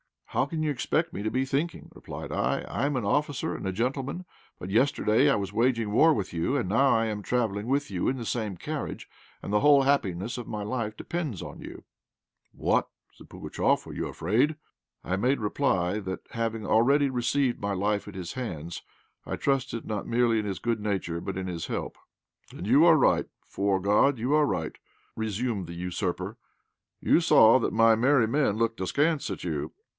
"How can you expect me to be thinking?" replied I. "I am an officer and a gentleman; but yesterday I was waging war with you, and now I am travelling with you in the same carriage, and the whole happiness of my life depends on you." "What," said Pugatchéf, "are you afraid?" I made reply that having already received my life at his hands, I trusted not merely in his good nature but in his help. "And you are right 'fore God, you are right," resumed the usurper; "you saw that my merry men looked askance at you.